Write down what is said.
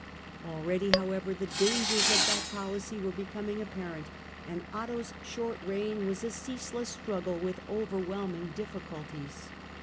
Already, however, the dangers of that policy were becoming apparent, and Otto's short reign was a ceaseless struggle with over whelming difficulties.